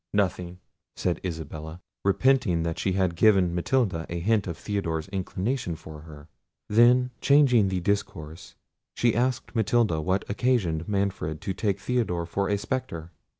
"Nothing," said Isabella, repenting that she had given Matilda a hint of Theodore's inclination for her. Then changing the discourse, she asked Matilda what occasioned Manfred to take Theodore for a spectre?